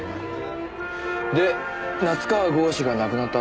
で夏河郷士が亡くなったあとは。